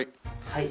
はい。